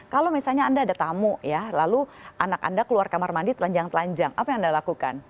kalau misalnya anda ada tamu ya lalu anak anda keluar kamar mandi telanjang telanjang apa yang anda lakukan